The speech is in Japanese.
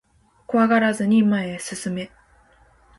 怖がらずに前へ進め